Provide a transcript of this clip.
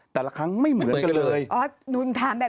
แต่ละครั้งไม่เหมือนกันเลย